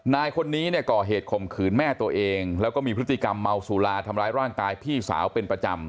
นายคนนี้เนี่ยก่อเหตุข่มขืนแม่ตัวเองแล้วก็มีพฤติกรรมเมาสุราทำร้ายร่างกายพี่สาวเป็นประจำ